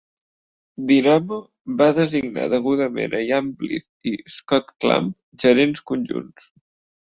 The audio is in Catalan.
Dynamo va designar degudament a Ian Blyth i Scott Clamp gerents conjunts.